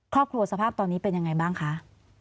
ครอบครัวสภาพตอนนี้เป็นอย่างไรบ้างคะ